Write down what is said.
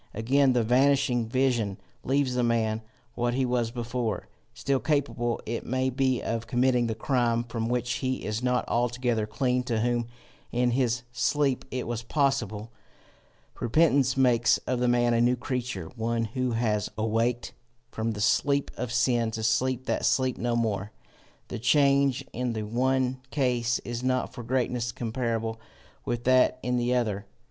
Again, the vanishing vision leaves the man what he was before, still capable it may be of committing the crime from which he is not altogether clean to whom in his sleep it was possible: repentance makes of the man a new creature, one who has awaked from the sleep of sin to sleep that sleep no more. The change in the one case is not for greatness comparable with that in the other.